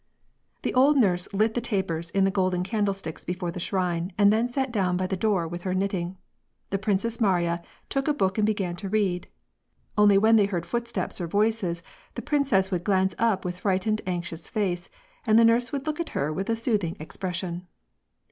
* The old nurse lit the tapers in the golden candlesticks before the shrine, and then sat down by the door with her knitting. The Princess Mariya took a book and began to read. Only when they heard steps or voices the princess would glance up with frightened anxious face, and the nurse would look at her with a soothing expression.